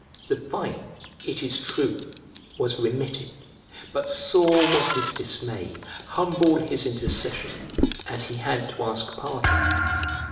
The fine, it is true, was remitted, but sore was his dismay, humble his intercession, and he had to ask pardon.